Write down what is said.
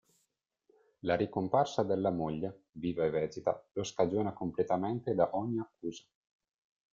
La ricomparsa della moglie, viva e vegeta, lo scagiona completamente da ogni accusa.